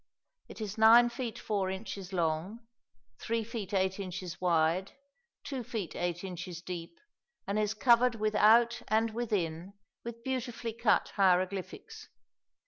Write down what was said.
It is nine feet four inches long, three feet eight inches wide, two feet eight inches deep, and is covered without and within with beautifully cut hieroglyphics.